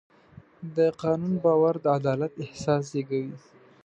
د قانون باور د عدالت احساس زېږوي.